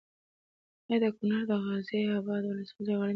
ایا د کونړ د غازي اباد ولسوالي غرنۍ او سخته سیمه ده؟